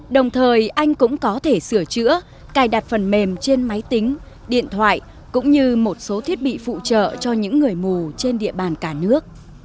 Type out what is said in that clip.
đồng thời anh cũng có thể sửa chữa cài đặt phần mềm trên máy tính điện thoại cũng như một số thiết bị phụ trợ cho những người mù trên địa bàn cả nước